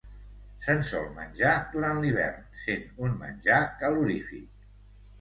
Se'n sol menjar durant l'hivern, sent un menjar calorífic.